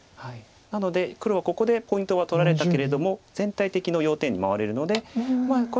なので黒はここでポイントは取られたけれども全体的な要点に回れるのでまあ